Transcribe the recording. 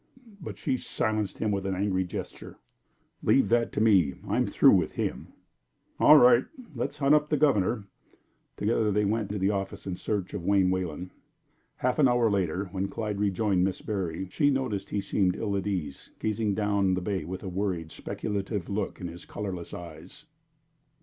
But she silenced him with an angry gesture. "Leave that to me. I'm through with him." "All right. Let's hunt up the governor." Together they went to the office in search of Wayne Wayland. A half hour later, when Clyde rejoined Miss Berry, she noticed that he seemed ill at ease, gazing down the bay with a worried, speculative look in his colorless eyes.